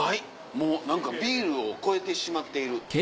もう何かビールを超えてしまっている。